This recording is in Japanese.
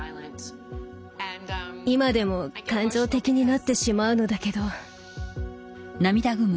今でも感情的になってしまうのだけど。